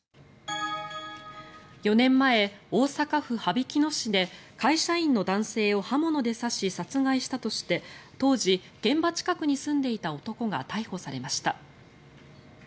４年前、大阪府羽曳野市で会社員の男性を刃物で刺し殺害したとして当時、現場近くに住んでいた男が逮捕されました。